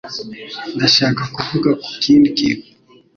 Ndashaka kuvuga ku kindi kintu.